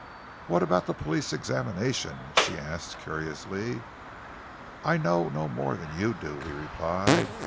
"What about the police examination?" she asked curiously. "I know no more than you do," he replied.